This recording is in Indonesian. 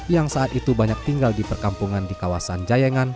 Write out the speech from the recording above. yang saat itu banyak tinggal di perkampungan di kawasan jayangan